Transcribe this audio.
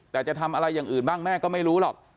แต่จะทำอะไรอย่างอื่นบ้างแม่ก็ไม่รู้หรอก